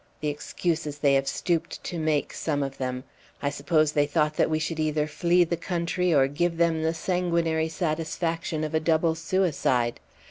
The excuses they have stooped to make, some of them! I suppose they thought that we should either flee the country or give them the sanguinary satisfaction of a double suicide.